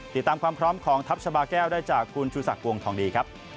ติดตามความพร้อมของทัพชาบาแก้วได้จากคุณชูศักดิ์วงทองดีครับ